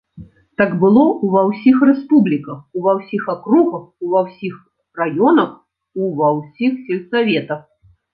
Так было ўва ўсіх рэспубліках, ува ўсіх акругах, ува ўсіх раёнах, ува ўсіх сельсаветах.